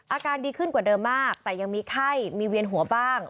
อาการดีขึ้นกว่าเดิมมากแต่ยังมีไข้มีเวียนหัวบ้าง